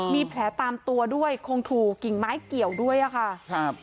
มีแผลตามตัวด้วยคงถูกกิ่งไม้เกี่ยวด้วยอะค่ะครับ